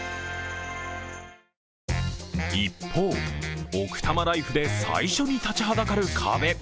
一方、奥多摩ライフで最初に立ちはだかる壁。